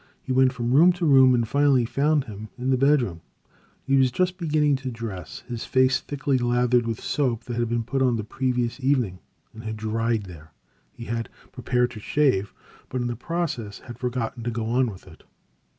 He went from room to room, and finally found him in his bedroom. He was just beginning to dress, his face thickly lathered with soap that had been put on the previous evening and had dried there; he had prepared to shave, but in the process had forgotten to go on with it.